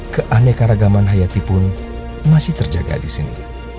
keanekaragaman hayati pun masih terjaga di sini